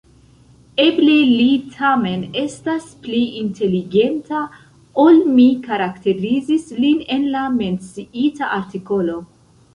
Eble li tamen estas pli inteligenta, ol mi karakterizis lin en la menciita artikolo...